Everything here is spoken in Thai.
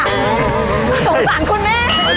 สงสารคุณแม่